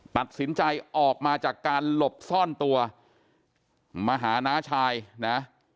ตัดสินใจออกมาจากการหลบซ่อนตัวมาหาน้าชายนะ